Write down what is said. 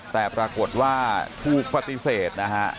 แต่ปรากฏว่าถูกปฏิเสธนะฮะ